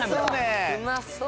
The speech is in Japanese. うまそう！